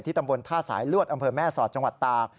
ตำบลท่าสายลวดอำเภอแม่สอดจังหวัดตาก